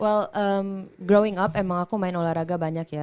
well growing up emang aku main olahraga banyak ya